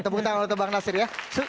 tepuk tangan untuk bang nasir ya